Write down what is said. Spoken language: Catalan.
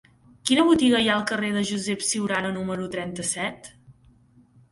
Quina botiga hi ha al carrer de Josep Ciurana número trenta-set?